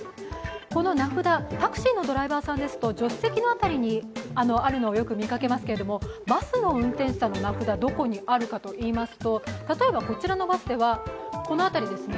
この名札、タクシーのドライバーさんですと助手席の辺りにあるのをよく見かけますけども、バスの運転手さんの名札どこにあるかといいますと、例えばこちらのバスではこの辺りですね。